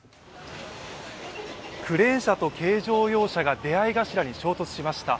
クレーン車と軽乗用車が出会い頭に衝突しました。